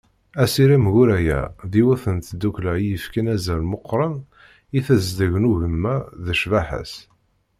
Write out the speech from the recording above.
Asirem Guraya d yiwet n tdukkla i yefkan azal meqqren i tezdeg n ugema d ccbaḥa-s.